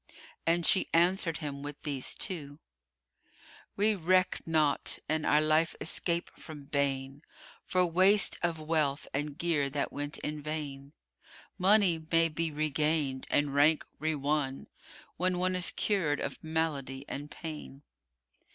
And she answered him with these two, "We reck not, an our life escape from bane, * For waste of wealth and gear that went in vain: Money may be regained and rank re won * When one is cured of malady and pain."